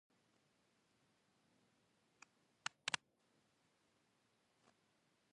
مخکې تر دې چې کوټې ته ور ننوځي.